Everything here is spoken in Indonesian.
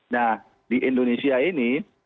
nah di indonesia ini